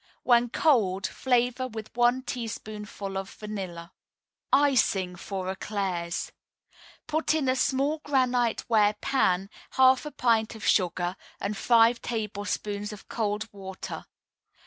When cold, flavor with one teaspoonful of vanilla. ICING FOR ÉCLAIRS. Put in a small granite ware pan half a pint of sugar and five tablespoonfuls of cold water.